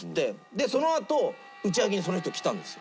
そのあと打ち上げにその人来たんですよ。